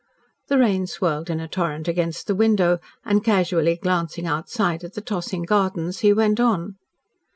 The rain swirled in a torrent against the window, and casually glancing outside at the tossing gardens he went on.